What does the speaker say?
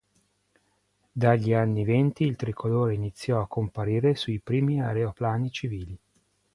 Dagli anni venti il tricolore iniziò a comparire sui primi aeroplani civili.